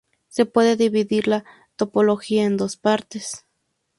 Se puede dividir la topología en dos partes.